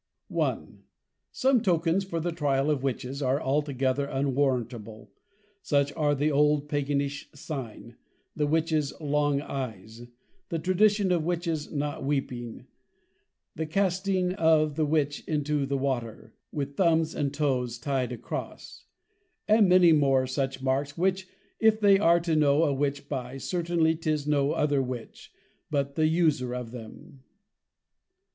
'1. Some Tokens for the Trial of Witches, are altogether unwarrantable. Such are the old Paganish Sign, the Witches Long Eyes; the Tradition of Witches not weeping; the casting of the Witch into the Water, with Thumbs and Toes ty'd a cross. And many more such Marks, which if they are to know a Witch by, certainly 'tis no other Witch, but the User of them.